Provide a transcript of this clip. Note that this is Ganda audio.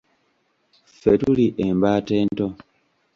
Ffe tuli embaata ento